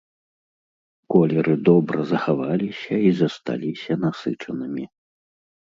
Колеры добра захаваліся і засталіся насычанымі.